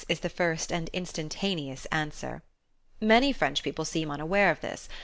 _ is the first and instantaneous answer. Many French people seem unaware of this.